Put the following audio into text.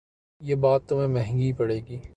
یہ بات تمہیں مہنگی پڑے گی